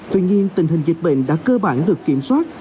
tuy nhiên tình hình dịch bệnh đã cơ bản được kiểm soát